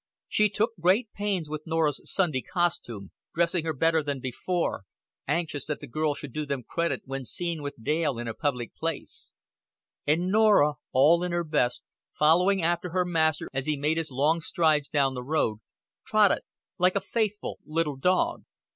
She took great pains with Norah's Sunday costume, dressing her better than before, anxious that the girl should do them credit when seen with Dale in a public place; and Norah, all in her best, following after her master as he made his long strides down the road, trotted like a faithful little dog.